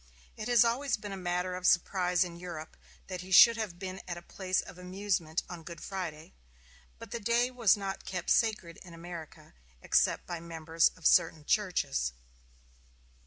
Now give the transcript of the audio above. It has always been a matter of surprise in Europe that he should have been at a place of amusement on Good Friday; but the day was not kept sacred in America, except by the members of certain churches.